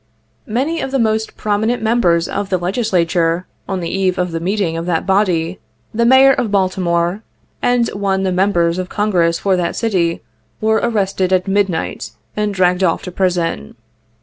Many of the most promi nent members of the Legislature, on the eve of the meeting of that body, the Mayor of Baltimore, and one the members of Congress for that city, were arrested at midnight, and dragged off to prison.